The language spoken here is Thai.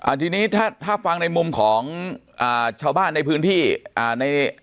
ทีนี้ถ้าถ้าฟังในมุมของอ่าชาวบ้านในพื้นที่อ่าใน